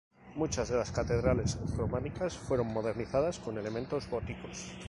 Muchas de las catedrales románicas fueron modernizadas con elementos góticos.